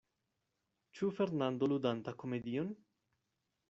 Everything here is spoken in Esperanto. Ĉu Fernando ludanta komedion?